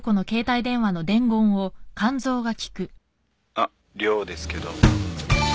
「あっ涼ですけど。